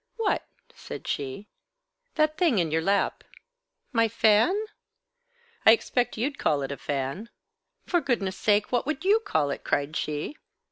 "What?" said she. "That thing in your lap." "My fan?" "I expect you'd call it a fan." "For goodness' sake, what would you call it?" cried she.